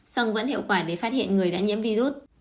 song vẫn hiệu quả để phát hiện người đã nhiễm virus